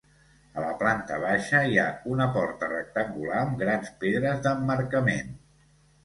A la planta baixa, hi ha una porta rectangular amb grans pedres d'emmarcament.